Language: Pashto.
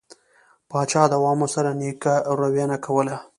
پاچا د عوامو سره نيکه رويه نه کوله.